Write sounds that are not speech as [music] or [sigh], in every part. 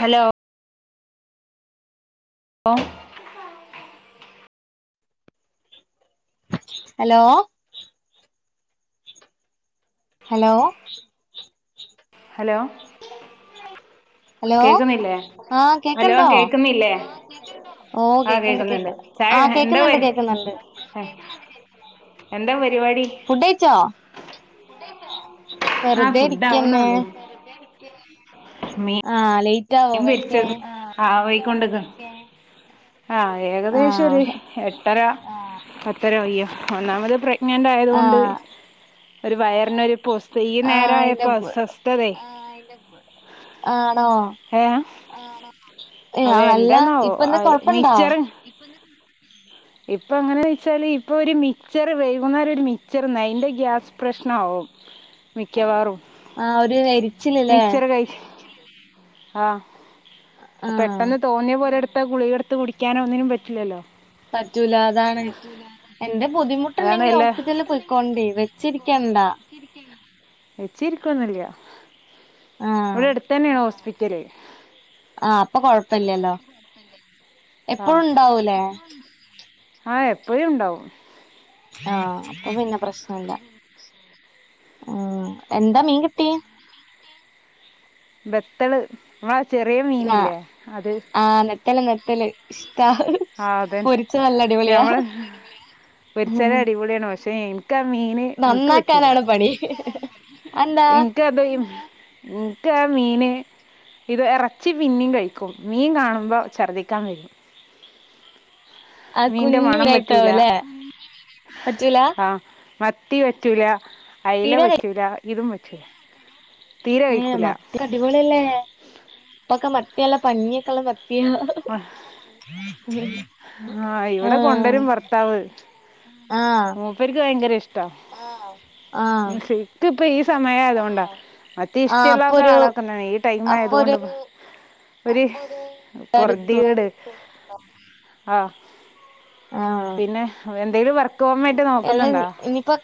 Hello hello hello hello hello hello കേക്കുന്നില്ലേ ആഹ് hello കേക്കണ്ടോ കേക്കുന്നില്ലേ ഓ ആഹ് കേക്കണ്ട് കേൾക്കുന്നുണ്ട് കേക്ക ചായ ആ എന്താ കേക്കുന്നുണ്ട് പേര് കേക്കുന്നുണ്ട് എന്താ പ ഫുഡഴിച്ചോ? ആഹ ഫുഡ് ഇരിക്കന്നെ ആവുന്നൊള്ളു. ആഹ ലേറ്റ് ആാ വോ കഴിക്കാൻ? ആ [unintelligible] ആഹ ഏകദേശൊര് ആഹ് എട്ടര [unintelligible] ഒന്നാമത് പ്രഗ്നന്റ് ആയത കൊണ്ട് ആഹ് ഒരു വയറിനൊ ഒരു പോസ് ഈ ആഹ് അയിന്റെ നേരായേപ്പോ അസ്വസ്തതെയ്. ആണോ ഏ അത അല്ല എന്തന്നാ ഇപ്പ ആ എന്താ വോ കൊഴപ്പുണ്ടോ മിച്ചറ് ഇപ്പൊ എങ്ങനെന്ന് വെച്ചാല് ഇപ്പൊ ഒരു മിക്ചർ വൈകുന്നേരം ഒരു മിക്ചറ്‌ന്ന അതിന്റെ ഗ്യാസ് പ്രശ്നാവും. മിക്കവാറും. ആ ഒരുഎരിച്ചില്ല്ല്ലേ? ആഹ ആഹ് പെട്ടെന്ന് തോന്നിയ പോലൊരു മുട്ട ഗുളികെടുത്ത് കുടിക്കാനോ ഒന്നിനും പറ്റില്ലല്ലോ? പറ്റൂല അതാണ് എന്റെറെ അതാണ് ബുദ്ധിമുട്ട്ണ്ടെങ്കിൽ എല്ലാ ഹോസ്പിറ്റലിൽ പോയിക്കോണ്ടി വെച്ചിരിക്കണ്ടാ. വച്ചിരി കൊന്നില്ല ആഹ് ഇവിടെ അടുത്തെ ന്നെ ആണ് ഹോസ്പിറ്റല്. ആഹ അപ്പൊ കൊഴപ്പില്ലല്ലോ എപ്പഴു ണ്ടാവൂലേ? ആഹ എപ്പഴും ഇണ്ടാവും. ആഹ അപ്പൊ പിന്നെ പ്രശ്നല്ല. ഉം എന്താ മീൻ കിട്ടി? ബെത്തള് നമ്മടെ ആചെറിയ ആഹ് മീന്ല്ലേ അത് ആഹ് നെത്തല് നെത്തല് ഇഷ്ടാ ആ അതെ പൊരിച്ചത് നല്ല അടിപൊളിയാ ഞമ്മള് പൊരിചാല് അടിപൊളിയാണ് പക്ഷെ ഇന്ക്കാ മീന് ന്ക്ക് പറ്റൂല. നന്നാക്കാനാണ് പണി അതെന്താ ഇനിക്ക് അത് ഇൻക്കാ മീന് ഇത് എറച്ചി പിന്നിം കഴിക്കും മീൻ കാണുമ്പോ ശർദിക്കാൻ വരും. ആഹ് മീന്റെ കുഞ്ഞു മണം പറ്റൂല മീനായിട്ടാവുംല്ലേ പറ്റൂല ആ മത്തി പറ്റൂല അയ്ല തീരെ കഴി പറ്റൂല ഇതും പറ്റൂല. തീരെ ഏ കഴിക്കൂല മത്തി അടിപൊളിയല്ലേ ഇപൊക്കെ മത്തി നല്ലാ പഞ്ഞിക്കൊള. [unintelligible] ആ ഇവിടെ ആഹ് കൊണ്ടരും ഭർത്താവ്. ആഹ് മൂപ്പെര്ക്ക് ഭയങ്കരെഷ് ആഹ് ക്ക്പ്പൊ ഈ സമയായതൊണ്ടാ. മത്തി ആഹ് ഇഷ്ടള്ളക്ക അപ്പൊരു ആളൊക്കെ തന്നെ പക്ഷേ ഈ ടൈമായത് അപ്പൊരു കൊണ്ട് ഒര് പൊറ്തകേട് ആ ആഹ് പിന്നെ എന്തേലും വർ അല്ല ഇനിയിപ്പ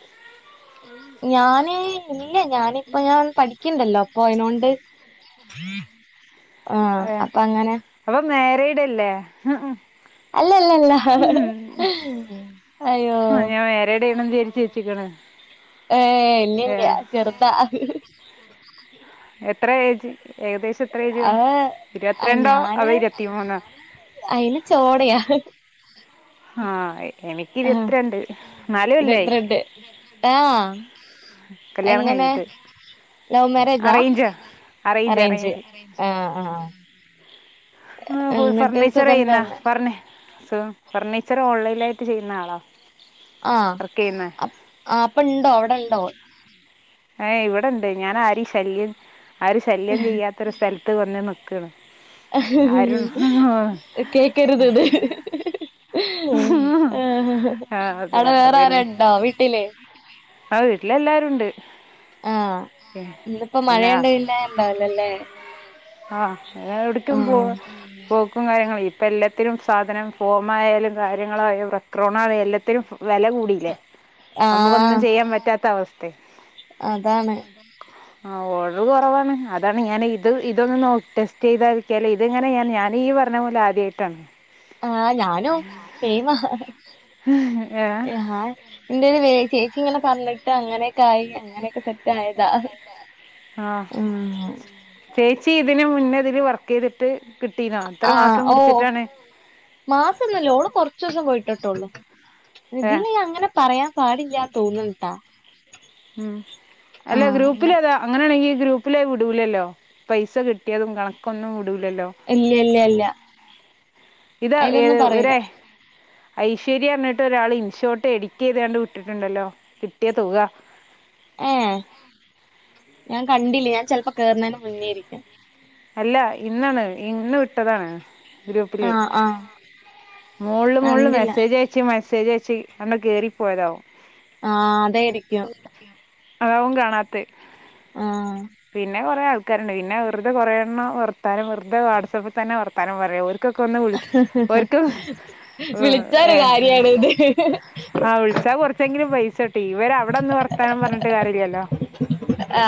ഞാന് ഇല്ല ഞാനിപ്പ ഞാൻ പഠി ക്ക്ണ്ടല്ലോ അപ്പൊ അയിനോണ്ട് ആ അതെ അപ്പങ്ങനെ. [unintelligible] അല്ലല്ലല്ല അയ്യോ ചേച്ചിക്കാണ്. ഏ ഇല്ലില്ല്യ ചെറ്താ. എത്ര ഏജ് ഏകദേശം എത്ര ഏജ്കാണും അത് ആഹ് ഇരുപത്ത്രണ്ടോ അതൊ ഞാന് ഇരുപത്തി മൂന്നോ? അയിന് ചോടയാ. ആ ഏ എനിക്ക് ആഹ് ഇരുപത്ത്രണ്ട് നാല് കൊല്ലായി. ഇരുപത്തിരണ്ട് ആഹ് കല്യാണം എങ്ങനെ കഴിഞ്ഞിട്ട്. ലവ് മാരേജാ അറേഞ്ച അറേഞ്ച് അറേഞ്ച് ആഹ് ആഹ് ആ എന്നിട്ട് സുഖം ഫർണിച്ചറേയ്ന്ന് തന്നെ ഫർണി ഫർണി [unintelligible] ഓൺലൈലായിട്ട് ചെയ്യ്ന്ന ആള ആ അപ്പൊ ണ്ടോ അവിടണ്ടോ? ഏ ഇവിടെണ്ട് ഞാൻ ആരെയും ശല്യം ആര് ശല്യം ചെയ്യാത്തൊരു സ്ഥലത്ത് വന്ന് നിക്ക്ണ് അരു ഹ്ഹ് കേക്കരുതത് ഹ്ഹ് ആഹ് ആ അതാ അവിടെ വേറെ അതന്നെ ആരണ്ടോ വീട്ടില് ആ വീട്ടിലല്ലാരുണ്ട്. ആ ഇന്നിപ്പോ മഴയുണ്ടെണ്ട ണ്ടാവിലല്ലേ? ആ എവിടെക്കും പോ പോ ക്കും കാര്യങ്ങളും ഇപ്പം എല്ലാത്തിലും സാധനം ഫോമായാലും കാര്യങ്ങളായും റക്രോണാ എല്ലാത്തിനും വെല കൂടിയില്ലേ? ആഹ് അമുക്കൊന്നും ചെയ്യാൻ പറ്റാത്ത അവസ് അതാണ് ആ ഓഡറ് കൊറവാണ് അതാണ് ഞാൻ ഇത് ഇതൊന്ന് നോ ടെസ്റ്റ് ചെയ്താകിട്ടിയാല് ഇതിങ്ങനെ ഞാന് ഈ പറഞ്ഞ പോലാദ്യായിട്ടാണ്. ആ ഞാനും സെയിമാ ഏ [unintelligible] ചേച്ചിങ്ങനെ പറഞ്ഞിട്ട് അങ്ങനെക്കായി അങ്ങനെക്കെ സെ ദായതാ. ആ ച്ചി ഇതിന് മുന്നേതില് വർക്ക് ചെയ്തിട്ട് കിട്ടീനോ? ത്ര ആഹ് മാസം ഓ പിടിച്ചിട്ടാണ്? മാസൊന്നുല്ല. ഓള് കൊറച്ചൂസം പോയിട്ടിട്ടൊള്ളൂ. ഏ ഇതില് അങ്ങനെ പറയാ പാടില്ല്യാ തോന്നുന്നുട്ട. ഉം. അല്ല ഗ്രൂപ്പില് അങ്ങനെ അതാ അങ്ങനാണെങ്കി ഗ്രൂപ്പ് ഗ്രൂപ്പില് വിടൂല്ലല്ലോ? പൈസ കിട്ടിയതും കണക്കൊന്നും വിടൂലല്ലോ ഇല്ല്യല്ലല്ല ഇത് ഏ ഒരെ ഐശ്വര്യറഞ്ഞിട്ട് ഒരാള് ഇൻഷോട്ട് എഡിറ്റ് ചെയ്താണ്ട് വിട്ടിട്ടുണ്ടല്ലോ കിട്ടിയ തുക. ആ ഞാൻ കണ്ടില്ല ഞാൻ ചിലപ്പോ കേറുന്നതിന് മുന്നേയായിരിക്കാം. അല്ല ഇന്നാണ് ഇന്ന് വിട്ടതാണ്. ആഹ് ആഹ് ഗ്രൂപ്പില്മോളില് മോളില് കണ്ടില്ല മെസ്സേജ് അയച്ചു മെസേ ശരി ചേച്ചി അവര് കേറി പോയതാവും. ആ അതെ ഇരിക്കും അതാവും കാണാത്തെ. ആഹ് പിന്നെ കൊറേ ആൾക്കാരുണ്ട് പിന്നെ വെറ റുതെ കുറെ എണ്ണം വർത്താനം വെറുതെ വാട്സാപ്പിൽ തന്നെ വർത്താനം പറയും. ഒരു വിളിച്ചൊരു കാര്യാണ് ഇത് [unintelligible] ആ വിളിച്ചാകുറച്ചെങ്കിലും പൈസ കിട്ടും. ഇവരെ അവിടെ നിന്ന് വർത്താനം പറഞ്ഞിട്ട് കാര്യമില്ലല്ലോ? ആ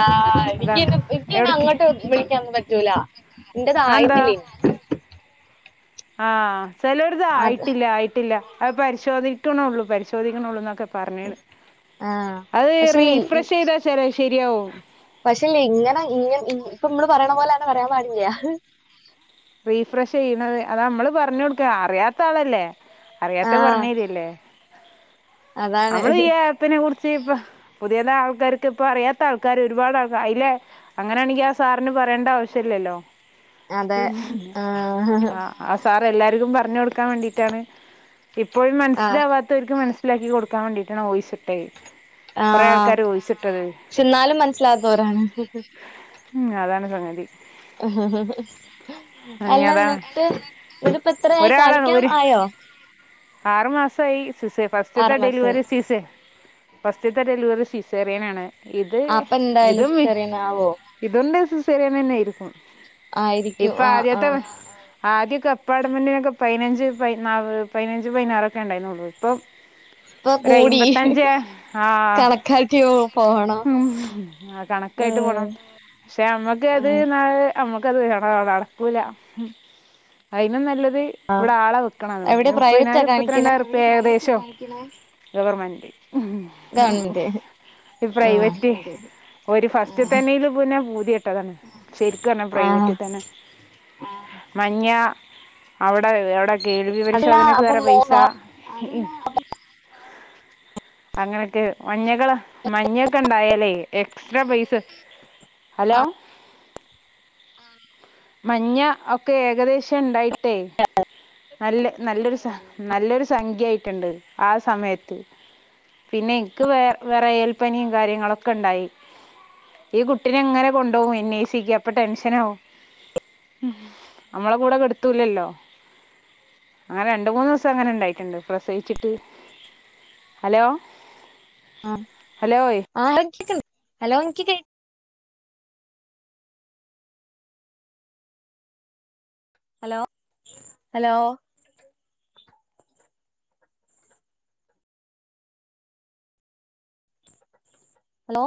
എനക്ക്എനിക്കെ അങ്ങോട്ട് വിളിക്കാൻ പറ്റൂല. ല. അതെന്താ എന്റെത്ആയിട്ടില്ലേ. ആ ചിലവരുടെത് അത് ആയിട്ടില്ല ആയിട്ടില്ല അത് പരിശോധിക്കണുള്ളൂ പരിശോധിക്കണുള്ളൂ എന്നൊക്കെ പറഞ്ഞോണ്. ആഹ് അത് പക്ഷേല്ലേ റീഫ്രഷ് ചെയ്താ ശ ശരിയാവും. പക്ഷേ ഇങ്ങനെ ഇങ്ങ ഇപ്പൊ ഇമ്മള് പറയണ പോലെ തന്നെ പറയാൻ പാടില്ല. റീഫ്രഷ് ചെയ്യണത് അത് നമ്മള് പറഞ്ഞുകൊടുക്ക. അറിയാത്ത ആളല്ലേ? അറിയാത്ത ആഹ് പറഞ്ഞതരികല്ലേ? അതാണ് നമ്മള് ഈ ആപ്പിനെ കുറി പ ഇപ്പ പുതിയതാആൾക്കാർക്ക് ഇപ്പ അറിയാത്ത ആൾക്കാര് ഒരുപാട് ആൾക്കാ അല്ലെ അങ്ങനെയാണെങ്കിൽ ആ സാറിന് പറഞ്ഞു പറയേണ്ട ആവശ്യം ഇല്ലല്ലോ? അതെ ആഹ് ആ ആ സാർഎല്ലാർക്കും പറഞ്ഞു കൊടുക്കാൻ വേണ്ടീട്ടാണ് ഇപ്പോഴും ആഹ് മനസ്സിലാവാത്തവർക്ക് മനസ്സിലാക്കി കൊടുക്കാൻ വേണ്ടിയിട്ടാണ് വോയ്സ് ഇട്ടത്. ആ പക്ഷെ എന്നാലും മനസ്സിലാത്തവരാണ്. ഉം. അതാണ് സംഗതി. ഹഹഹ ഇനി അല്ല അതാണ് എന്നിട്ട് ഇതിപ്പോ എത്രയായി ഒരാളാണ് കാണിക്കാൻ ഒരു ആയോ? ആറു മാസമായി സീസേ ഫസ്റ്റിലത്തെ ആറു മാസായി ഡെലിവറി സീസേ പസ്റ്റ്ത്തെഡെലിവറി സിസേറിയനാണ് ഇത് അപ്പൊ എന്തായാലും ഇതും [unintelligible] സിസേറിയൻ ആവോ [unintelligible] ആയിരിക്കും ആ ആ ഇപ്പൊആദ്യത്തെ ആദ്യ അപ്പാർട്ട്മെന്റിനൊക്കെ പയിനഞ്ച് പതിനാവ് പതിനഞ്ച്പതിനാറൊക്കെണ്ടായിരന്നൊള്ളൂ ഇപ്പൊ ഇപ്പൊ ഒരു കൂടി എയ്മ്പത്തഞ്ചെ ആ കണക്കാക്കിയോ പോണോ മം കണക്കായിട്ട് പോണം ഉം ക്ഷെനമ്മക്ക്അത് ഉം ന നമ്മുക്കത് വേണോനടക്കൂല അയിനുംനല്ല [unintelligible] ആ ഇവിടാളെ വ്ക്കണം എവിടെ പ്രൈവറ്റാ മുപ്പയിനാരം കാണിക്കണെ ഇപ്പത്രരണ്ടായിരപ്പെഏകദേശ ഗവൺമെന്റ് [unintelligible] ഈ ആ പ്രൈവറ്റ് ഒരുഫസ്റ്റ്തന്നെയില്പിന്നെ പൂതി [unintelligible] ശരിക്കുംപർഞ്ഞാ ആ പ്രൈവറ്റ്തന്നെ മഞ്ഞ അവിടെഎവിടെ കേ അല്ല പരിശോധനക്ക് അപ്പൊ മോ വേറെപൈസ അങ്ങനൊക്കെ മഞ്ഞകള് മഞ്ഞൊക്കെണ്ടായല്ലേയ് എക്സ്ട്രാപൈസ ഹലോ മഞ്ഞ ഒക്കെഏകദേശം ഉണ്ടായിട്ടേനല്ല നല്ലൊരുസഹ നല്ലൊരു സംഖ്യയിട്ടുണ്ട് ആസമയത്ത് പിന്നെൻക്ക് വേ വെറയൽപനിം കാര്യങ്ങളൊക്കെണ്ടായി ഈകുട്ടിനെങ്ങനെ കൊണ്ടോവും എന്നോയ്സിക്ക് അപ്പൊടെൻഷനാവും നമ്മളെകൂടെ കെടുത്തൂലല്ലോ അങ്ങനെരണ്ട് മൂന്നൂസ്സം അങ്ങനെഇണ്ടായിട്ടുണ്ട് പ്രസവിച്ചിട്ട് hello hello [unintelligible] hello hello hello